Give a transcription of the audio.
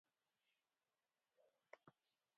Ba ghes ba wêyn ti meyn nyàʼ awo ifeli.